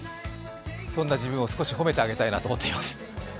そんな自分を少し褒めてあげたいなと思っています。